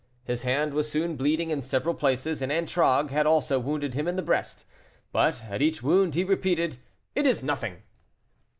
His hand was soon bleeding in several places, and Antragues had also wounded him in the breast; but at each wound he repeated, "It is nothing."